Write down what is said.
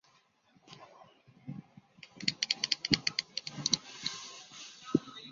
此时的建筑强调功能性和理性。